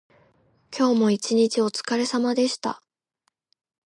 今日も一日おつかれさまでした。